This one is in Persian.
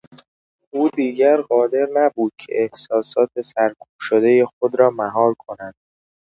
او دیگر قادر نبود که احساسات سرکوب شدهی خود را مهار کند.